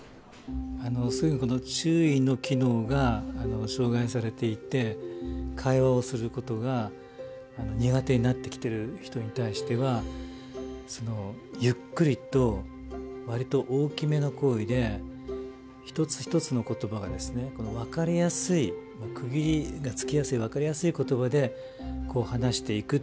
注意の機能が障害されていて会話をすることが苦手になってきてる人に対してはゆっくりと割と大きめの声で一つ一つの言葉がですね分かりやすい区切りがつきやすい分かりやすい言葉で話していくっていうですね